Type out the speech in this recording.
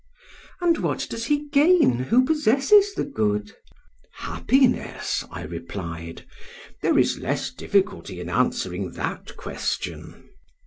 "'And what does he gain who possesses the good?' "'Happiness,' I replied; 'there is less difficulty in answering that question.'